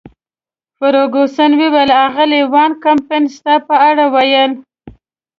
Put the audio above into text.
فرګوسن وویل: اغلې وان کمپن ستا په اړه ویل.